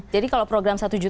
jadi kalau program satu juta unit